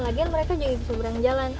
lagian mereka juga seberang jalan